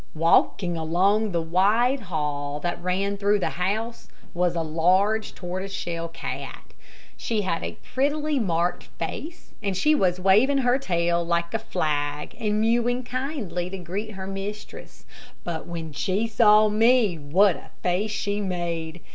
Walking along the wide hall that ran through the house was a large tortoise shell cat. She had a prettily marked face, and she was waving her large tail like a flag, and mewing kindly to greet her mistress. But when she saw me what a face she made.